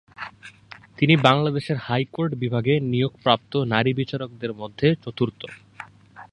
তিনি বাংলাদেশের হাইকোর্ট বিভাগে নিয়োগপ্রাপ্ত নারী বিচারকদের মধ্যে চতুর্থ।